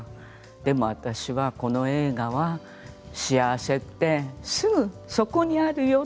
でも私はこの映画は幸せってすぐそこにあるよ